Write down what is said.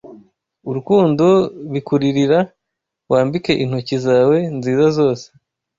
urukundo bikuririra Wambike intoki zawe nziza zose